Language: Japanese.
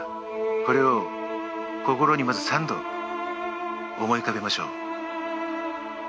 これを心にまず三度思い浮かべましょう。